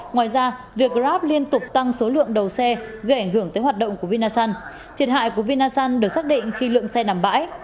ngoài ra việc grab liên tục tăng số lượng đầu xe gây ảnh hưởng tới hoạt động của vinasun thiệt hại của vinasun được xác định khi lượng xe nằm bãi